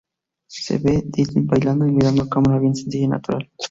Se ve a D-Niss bailando, y mirando a cámara, bien sencilla y natural.